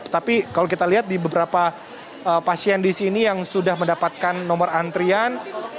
tapi kalau kita lihat di beberapa pasien di sini yang sudah mendapatkan nomor antrian